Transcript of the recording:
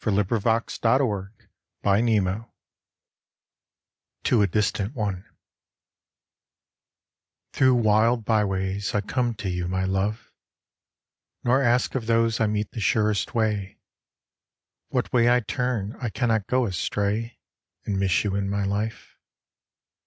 ISO IN BARRACKS TO A DISTANT ONE Through wild by ways I come to you, my love, Nor ask of those I meet the surest way. What way I turn I cannot go astray And miss you in my life.